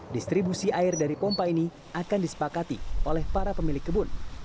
distribusi air dari pompa ini akan disepakati oleh para pemilik kebun